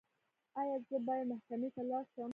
ایا زه باید محکمې ته لاړ شم؟